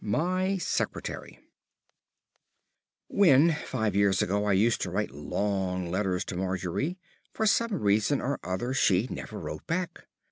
MY SECRETARY When, five years ago, I used to write long letters to Margery, for some reason or other she never wrote back.